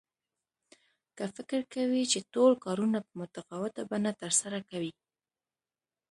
که فکر کوئ چې ټول کارونه په متفاوته بڼه ترسره کوئ.